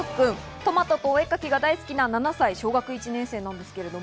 トマトとお絵描きが大好きな７歳、小学１年生です。